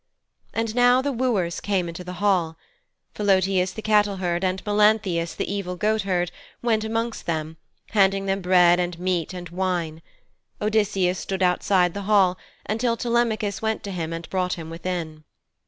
And now the wooers came into the hall. Philœtius the cattle herd, and Melanthius the evil goatherd, went amongst them, handing them bread and meat and wine. Odysseus stood outside the hall until Telemachus went to him and brought him within.